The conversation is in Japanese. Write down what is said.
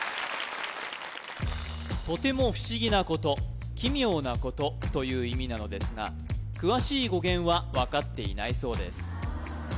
とても不思議なこと奇妙なことという意味なのですが詳しい語源は分かっていないそうです